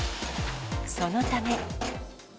そのため。